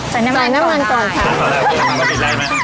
ใส่น้ำมันก่อนค่ะ